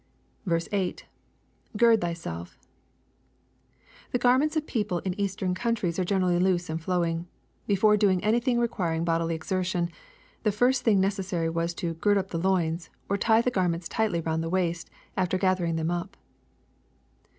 8. —[ Gird thyself.] The garments of people in Eastern countries are generally loose and flowing. Before doing anything requiring bodily exertion, the first thing necessary was to " gird up the loins," or tie the garments tightly round tiie waist, after gathering them up.